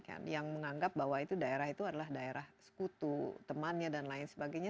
karena mereka menganggap bahwa daerah itu adalah daerah sekutu temannya dan lain sebagainya